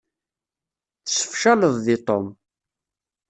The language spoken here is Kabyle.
Tessefcaleḍ deg Tom.